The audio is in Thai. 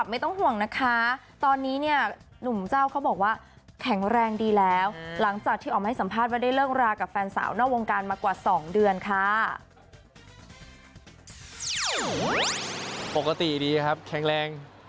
ปกติดีครับแข้งแรงแข้งแรงมากวิ่งบ่อยหัวใจแข็งแรง